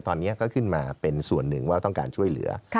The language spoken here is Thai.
ตอนนี้ก็ขึ้นมาเป็นส่วนหนึ่งว่าต้องการช่วยเหลือ